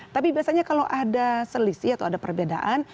tapi biasanya kalau ada selisih atau ada perbedaan